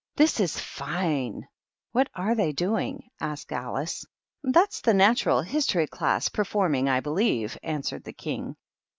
" This is fine !"" What are they doing ?" asked Alice. " That's the Natural History Class performing, I believe," answered the King.